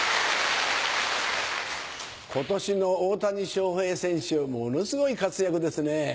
今年の大谷翔平選手はものすごい活躍ですね。